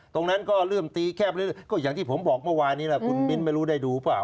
ตรงนั้นก็เริ่มตีแคบเรื่อยก็อย่างที่ผมบอกเมื่อวานนี้แหละคุณมิ้นไม่รู้ได้ดูเปล่า